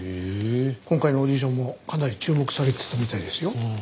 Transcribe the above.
今回のオーディションもかなり注目されてたみたいですよ。